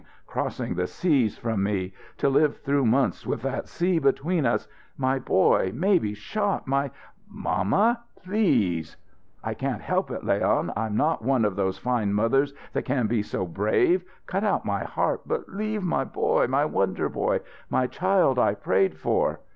Crossing the seas from me! To live through months with that sea between us my boy maybe shot my " "Mamma, please!" "I can't help it, Leon; I'm not one of those fine mothers that can be so brave. Cut out my heart, but leave my boy my wonder boy my child I prayed for!"